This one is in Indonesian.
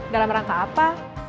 dalam rangka apa